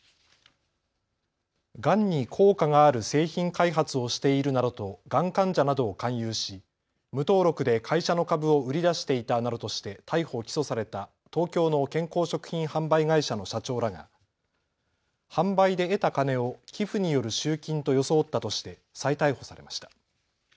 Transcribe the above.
がんに効果がある製品開発をしているなどとがん患者などを勧誘し無登録で会社の株を売り出していたなどとして逮捕・起訴された東京の健康食品販売会社の社長らが販売で得た金を寄付による集金と装ったとして再逮捕されました。